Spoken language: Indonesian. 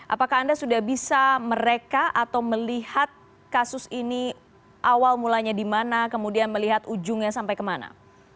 apakah anda sudah bisa mereka atau melihat kasus ini awal mulanya di mana kemudian melihat ujungnya sampai kemana